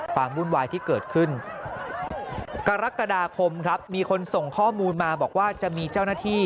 วุ่นวายที่เกิดขึ้นกรกฎาคมครับมีคนส่งข้อมูลมาบอกว่าจะมีเจ้าหน้าที่